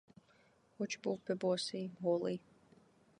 Хоч був би босий, голий.